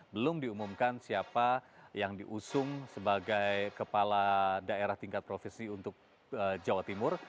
belum diumumkan siapa yang diusung sebagai kepala daerah tingkat provinsi untuk jawa timur